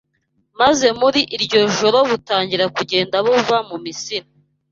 maze muri iryo joro butangira kugenda buva mu Misiri